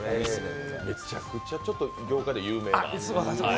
これ、めちゃくちゃ業界では有名な。